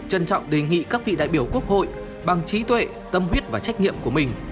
trân trọng đề nghị các vị đại biểu quốc hội bằng trí tuệ tâm huyết và trách nhiệm của mình